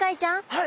はい。